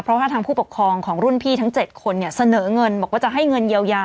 เพราะว่าทางผู้ปกครองของรุ่นพี่ทั้ง๗คนเนี่ยเสนอเงินบอกว่าจะให้เงินเยียวยา